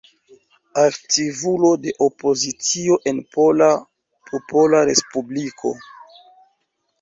Aktivulo de opozicio en Pola Popola Respubliko.